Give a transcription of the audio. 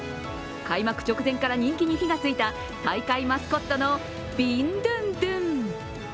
開幕直前から人気に火が付いた大会マスコットのビンドゥンドゥン。